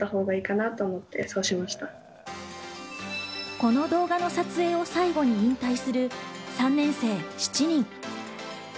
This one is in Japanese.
この動画の撮影を最後に引退する３年生７人。